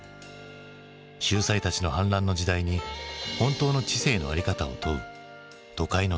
秀才たちの反乱の時代に本当の知性の在り方を問う都会の青年の姿。